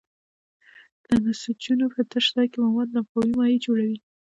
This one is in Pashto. د نسجونو په تش ځای کې مواد لمفاوي مایع جوړوي.